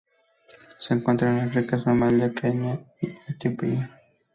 Se encuentran en África: Somalia, Kenia y Etiopía.